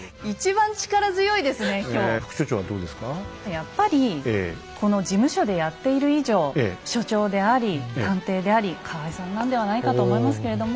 やっぱりこの事務所でやっている以上所長であり探偵であり河合さんなんではないかと思いますけれども。